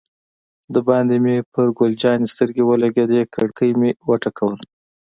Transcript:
دباندې مې پر ګل جانې سترګې ولګېدې، کړکۍ مې و ټکول.